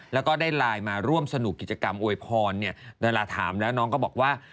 แล้วก็ได้ไลน์มาร่วมสนุกกิจกรรมอวยพรเนี่ยเวลาถามแล้วน้องก็บอกว่า